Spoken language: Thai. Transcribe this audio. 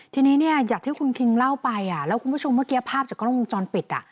ทีนี้เนี่ยอย่างที่คุณคิงเล่าไปแล้วคุณผู้ชมเมื่อกี้ภาพจากกล้องวงจรปิดอ่ะ